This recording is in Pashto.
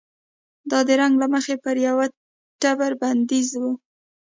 دا د رنګ له مخې پر یوه ټبر بندیز و.